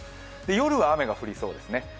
夜は雨が降りそうですね。